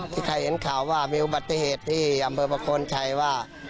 ที่ใครเห็นข่าวว่ามีอุบัติเหตุที่อำเภอประโคนชัยว่า